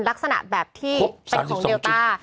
ลักษณะแบบที่เป็นของเดลต้า